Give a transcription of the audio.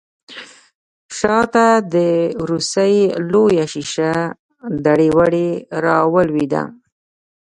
شا ته د ورسۍ لويه شيشه دړې وړې راولوېده.